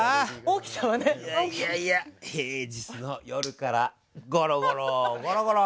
平日の夜からゴロゴロゴロゴロ。